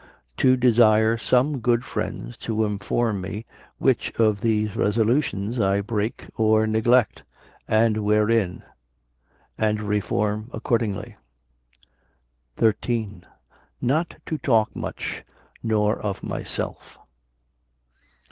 To desire some good friends to inform me which of these resolutions I break or neglect, and wherein; and reform accordingly. 13. Not to talk much, nor of myself.